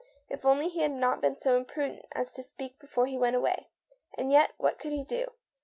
If only he had not been so imprudent as to speak before he went away. And yet what could he do?